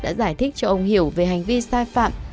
đã giải thích cho ông hiểu về hành vi sai phạm